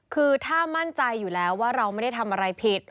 คือถ้ามั่นใจอยู่แล้วว่าเราไม่ได้ทำอะไรผิด